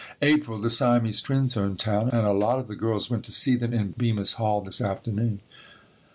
April. The Siamese twins are in town and a lot of the girls went to see them in Bemis Hall this afternoon.